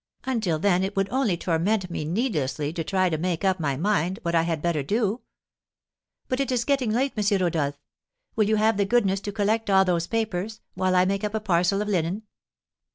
Until then it would only torment me needlessly to try to make up my mind what I had better do. But it is getting late, M. Rodolph. Will you have the goodness to collect all those papers, while I make up a parcel of linen?